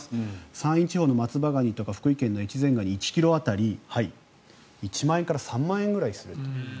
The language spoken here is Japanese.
山陰地方の松葉ガニとか福井県の越前ガニ１ｋｇ当たり１万円から３万円すると。